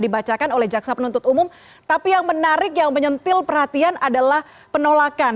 dibacakan oleh jaksa penuntut umum tapi yang menarik yang menyentil perhatian adalah penolakan